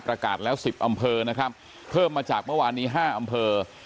ประกาศแล้ว๑๐อำเภอนะครับเพิ่มมาจากเมื่อวานนี้๕อำเภอ